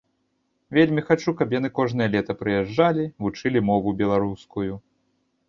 Вельмі хачу, каб яны кожнае лета прыязджалі, вучылі мову беларускую.